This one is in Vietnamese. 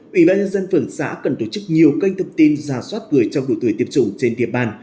ủy ban nhân dân phường xã cần tổ chức nhiều kênh thông tin ra soát người trong độ tuổi tiêm chủng trên tiềm bàn